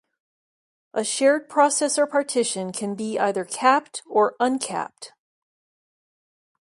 A shared processor partition can be either "capped" or "uncapped".